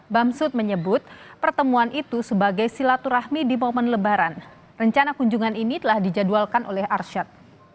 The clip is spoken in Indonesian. bamsud menyebut pertemuan itu sebagai silaturahmi di momen lebaran rencana kunjungan ini telah dijadwalkan oleh arsyad